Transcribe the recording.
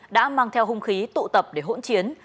đã mang theo hung khí tụ tập để hỗn chiến